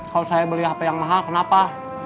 kalau saya beli hp yang mahal kenapa